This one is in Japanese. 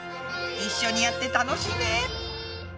一緒にやって楽しいね！